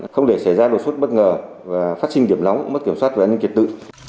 không để xảy ra đột xuất bất ngờ và phát sinh điểm lóng mất kiểm soát và an ninh kiệt tự